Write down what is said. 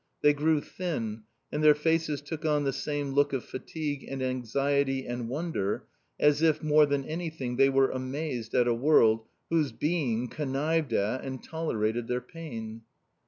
They grew thin, and their faces took on the same look of fatigue and anxiety and wonder, as if, more than anything, they were amazed at a world whose being connived at and tolerated their pain.